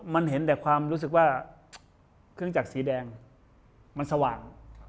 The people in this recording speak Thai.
มันเห็นแต่ความรู้สึกว่าเครื่องจักรสีแดงมันสว่าง